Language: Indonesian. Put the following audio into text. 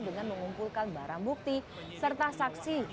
dengan mengumpulkan barang bukti serta saksi